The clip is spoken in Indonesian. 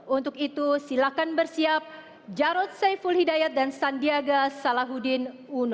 untuk itu silakan bersiap jarod saiful hidayat dan sandiaga salahuddin uno